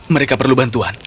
mereka perlu bantuan